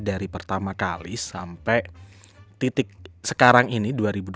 dari pertama kali sampai titik sekarang ini